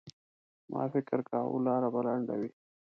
ما فکر کاوه لاره به لنډه وي.